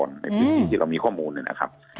ในพื้นที่ที่เรามีข้อมูลนะครับ